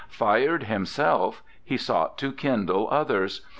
Fired himself, he sought to kindle others.